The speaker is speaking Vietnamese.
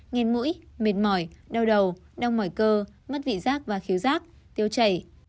nghiền mũi mệt mỏi đau đầu đong mỏi cơ mất vị giác và khiếu giác tiêu chảy